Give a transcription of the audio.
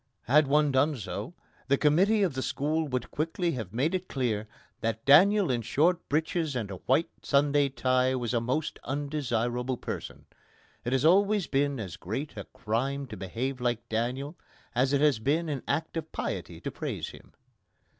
Had one done so, the commiteee of the school would quickly have made it clear that Daniel in short breeches and a white Sunday tie was a most undesirable person. It has always been as great a crime to behave like Daniel as it has been an act of piety to praise him.